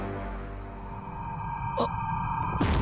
あっ。